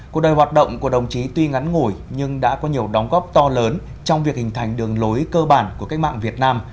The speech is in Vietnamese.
cuộc đời hoạt động của đồng chí tuy ngắn ngủi nhưng đã có nhiều đóng góp to lớn trong việc hình thành đường lối cơ bản của cách mạng việt nam